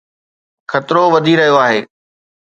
خطرو وڌي رهيو آهي